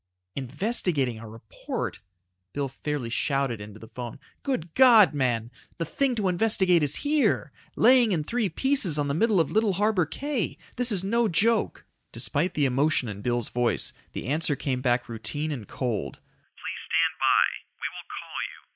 "Investigating our report?" Bill fairly shouted into the phone. "Good God, man! The thing to investigate is here, laying in three pieces on the middle of Little Harbor Cay. This is no joke." Despite the emotion in Bill's voice, the answer came back routine and cold, "Please stand by. We will call you.